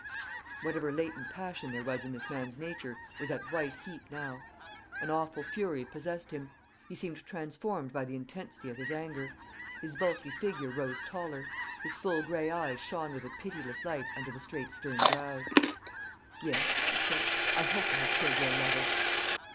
Whatever latent passion there was in this man's nature was at white heat now. An awful fury possessed him. He seemed transformed by the intensity of his anger. His bulky figure rose taller; his full gray eyes shone with a pitiless light under the straight stern brows. "Yes," he said, "I hope I have killed your lover."